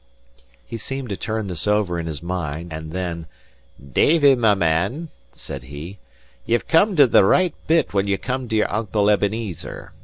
He seemed to turn this over in his mind; and then, "Davie, my man," said he, "ye've come to the right bit when ye came to your uncle Ebenezer.